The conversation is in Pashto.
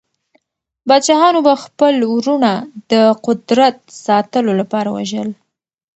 پادشاهانو به خپل وروڼه د قدرت ساتلو لپاره وژل.